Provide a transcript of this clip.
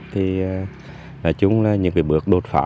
thì chúng là những bước đột phá